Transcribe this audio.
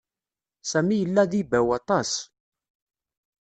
Sami yella d ibaw aṭas.